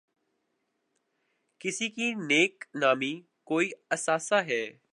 کسی کی نیک نامی کوئی اثاثہ ہے۔